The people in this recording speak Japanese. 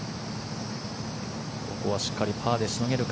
ここはしっかりパーでしのげるか。